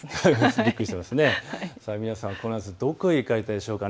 皆さん、この夏どこへ行かれたでしょうか。